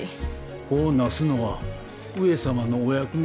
子をなすのは上様のお役目。